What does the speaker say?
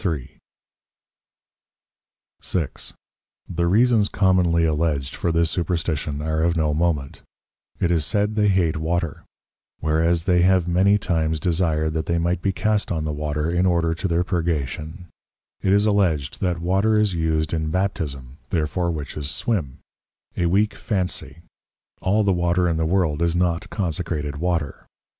6. The Reasons commonly alledged for this Superstition are of no moment: It is said they hate the Water; whereas they have many times desired that they might be cast on the Water in order to their purgation: It is alledged, that Water is used in Baptism, therefore Witches swim: A weak Phansie; all the Water in the World is not consecrated Water.